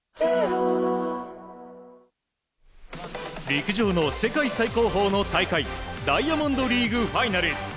陸上の世界最高峰の大会ダイヤモンドリーグファイナル。